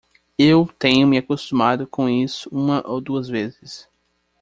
Eu tenho me acostumado com isso uma ou duas vezes.